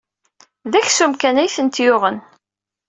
D aksum kan ay tent-yuɣen.